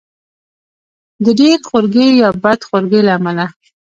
د ډېر خورګۍ یا بد خورګۍ له امله.